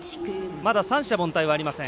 まだ三者凡退はありません。